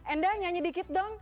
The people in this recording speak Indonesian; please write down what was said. enda nyanyi dikit dong